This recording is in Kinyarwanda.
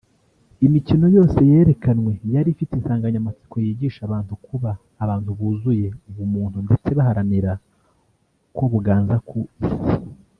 Imikino yose yerekanywe yari ifite insanganyamatsiko yigisha abantu kuba ‘abantu buzuye ubumuntu’ ndetse baharanira ko buganza ku Isi